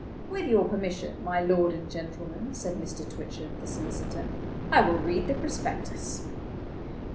"With your permission, my lord and gentlemen," said Mr. Twitchem, the solicitor, "I will read the Prospectus."